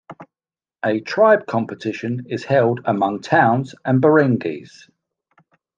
A tribe competition is held among towns and barangays.